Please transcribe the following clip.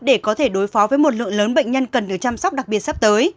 để có thể đối phó với một lượng lớn bệnh nhân cần được chăm sóc đặc biệt sắp tới